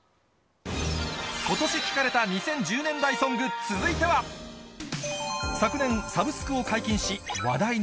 今年聴かれた２０１０年代ソング、続いては、昨年、サブスクを解禁し、話題に。